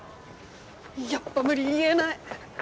やっぱ無理言えない！